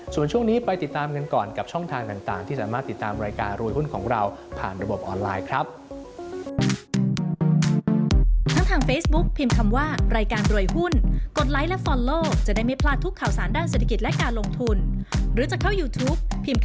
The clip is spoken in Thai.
ส่วนช่วงนี้ไปติดตามกันก่อนกับช่องทางต่างที่สามารถติดตามรายการรวยหุ้นของเราผ่านระบบออนไลน์ครับ